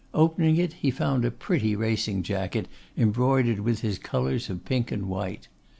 Opening it, he found a pretty racing jacket embroidered with his colours of pink and white.